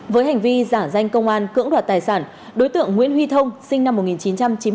với hành vi giả danh công an cưỡng đoạt tài sản đối tượng nguyễn huy thông sinh năm một nghìn chín trăm chín mươi bốn